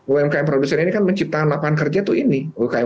umkm produsen ini kan menciptakan lapangan kerja tuh ini